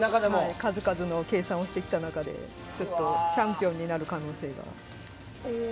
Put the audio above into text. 数々の計算をしてきた中でチャンピオンになる可能性が。